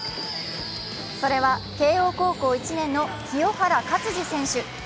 それは慶応高校１年の清原勝児選手。